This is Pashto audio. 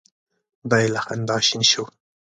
دی له خندا شین شو.